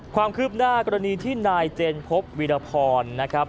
ความคืบหน้ากรณีที่นายเจนพบวิรพรนะครับ